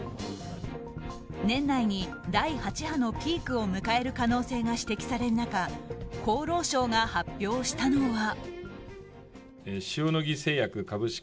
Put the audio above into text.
年内に第８波のピークを迎える可能性が指摘される中厚労省が発表したのは。